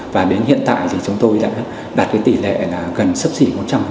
và đến hiện tại thì chúng tôi đã đạt cái tỷ lệ là gần sấp xỉ một trăm linh